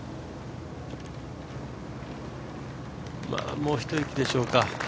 もう一息でしょうか。